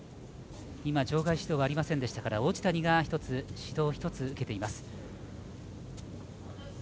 場外指導がありませんでしたから王子谷が指導１つ受けています。